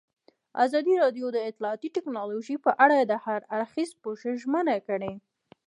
ازادي راډیو د اطلاعاتی تکنالوژي په اړه د هر اړخیز پوښښ ژمنه کړې.